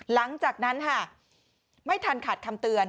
หลังจากนั้นค่ะไม่ทันขาดคำเตือน